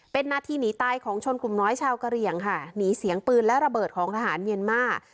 เป็นนาทีหนีตายของชนกลุ่มน้อยชาวกะเหลี่ยงค่ะหนีเสียงปืนและระเบิดของทหารเมียนมาร์